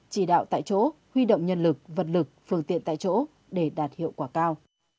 chỉ đạo tại chỗ huy động nhân lực vật lực phương tiện tại chỗ để đạt hiệu quả cao